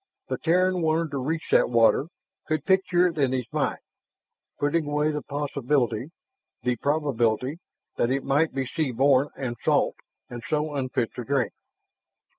The Terran wanted to reach that water, could picture it in his mind, putting away the possibility the probability that it might be sea born and salt, and so unfit to drink.